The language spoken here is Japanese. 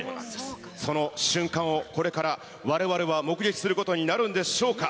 その瞬間を、これからわれわれは目撃することになるんでしょうか。